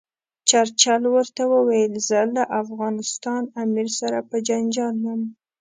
چرچل ورته وویل زه له افغانستان امیر سره په جنجال یم.